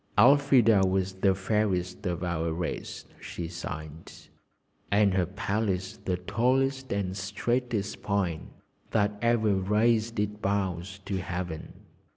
"Elfrida was the fairest of our race," she sighed, "and her palace the tallest and straightest pine that ever raised its boughs to Heaven.